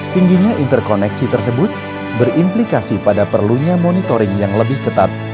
tingginya interkoneksi tersebut berimplikasi pada perlunya monitoring yang lebih ketat